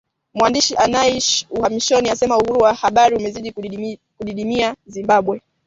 Mwandishi anayeishi uhamishoni asema uhuru wa habari umezidi kudidimia Zimbabwe